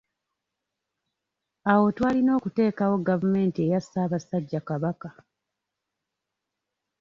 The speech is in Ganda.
Awo twalina okuteekawo gavumenti eya Ssaabasajja Kabaka.